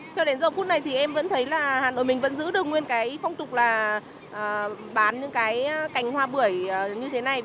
cho đến giờ phút này thì em vẫn thấy là hà nội mình vẫn giữ được nguyên cái phong tục là bán những cái cành hoa bưởi như thế này